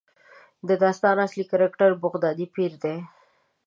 د داستان اصلي کرکټر بغدادي پیر دی.